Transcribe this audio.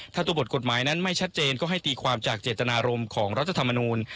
ถ้าตัวบทกฎหมายนั้นไม่ชัดเจนก็ให้ตีความจากเจตนารมณ์ของรัฐธรรมนูล